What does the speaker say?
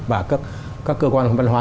và các cơ quan văn hóa